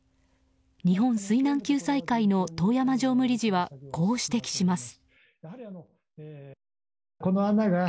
日本水難救済会の遠山常務理事はこう指摘します。